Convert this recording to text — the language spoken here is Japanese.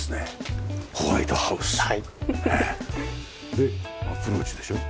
でアプローチでしょ？